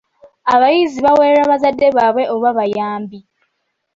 Abayizi baweererwa bazadde baabwe oba bakiyambi.